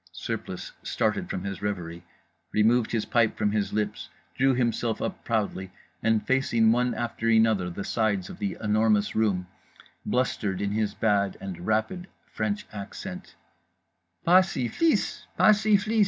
_" Surplice started from his reverie, removed his pipe from his lips, drew himself up proudly, and—facing one after another the sides of The Enormous Room—blustered in his bad and rapid French accent: "_Pas syph'lis! Pas syph'lis!